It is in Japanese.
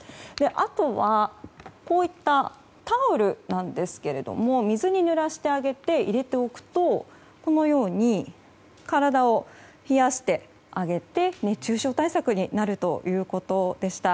あとは、タオルなんですが水にぬらしてあげて入れておくとこのように体を冷やしてあげて熱中症対策になるということでした。